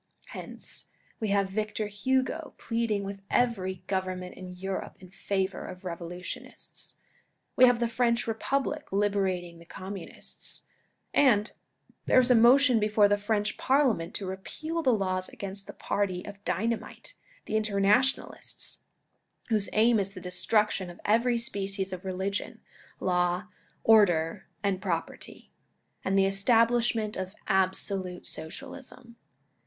Hence we have Victor Hugo pleading with every Government in Europe in favour of revolutionists ; we have the French Republic liberating the Communists ; and there is a motion before the French Parliament to repeal the laws against the party of dynamite — the Interna tionalists, whose aim is the destruction of every species of religion, law, order and property, and the establishment of absolute Socialism.